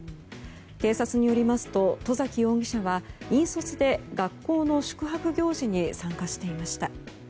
警察によりますと外崎容疑者は引率で学校の宿泊行事に参加していました。